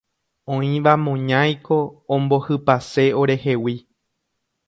Oĩva moñáiko ombohypase orehegui.